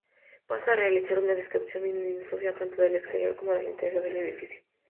Pasa a realizar una descripción minuciosa tanto del exterior como del interior del edificio.